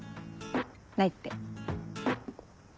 ないって。